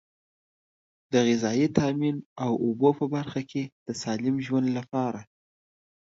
د غذایي تامین او اوبو په برخه کې د سالم ژوند لپاره.